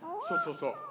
そうそうそう。